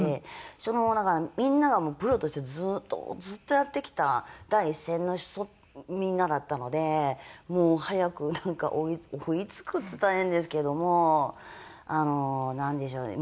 だからみんながプロとしてずっとずっとやってきた第一線の人みんなだったのでもう早くなんか追い付くっつったら変ですけどもあのなんでしょうね